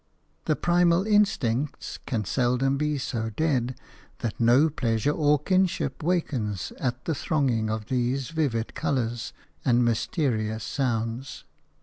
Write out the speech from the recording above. The primal instincts can seldom be so dead that no pleasure or kinship wakens at the thronging of these vivid colours and mysterious sounds.